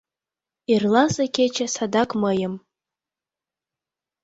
Эрласе кече садак мыйым